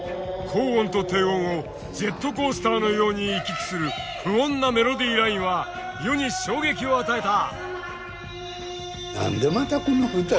高音と低音をジェットコースターのように行き来する不穏なメロディーラインは世に衝撃を与えた。